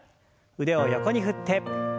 腕を横に振って。